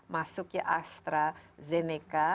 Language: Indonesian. masuk ke astrazeneca